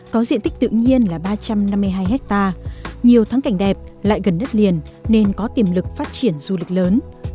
có diện tích tự nhiên là ba trăm năm mươi hai hectare nhiều thắng cảnh đẹp lại gần đất liền nên có tiềm lực phát triển du lịch lớn